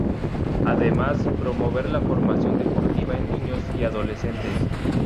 Además, promover la formación deportiva en niños y adolescentes.